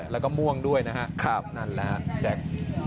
แล้วก็ม่วงด้วยนะครับนั่นแหละแจ๊ค